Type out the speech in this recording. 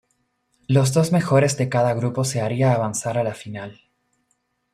Los dos mejores de cada grupo se haría avanzar a la final.